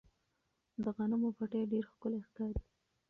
د غنمو پټي ډېر ښکلي ښکاري.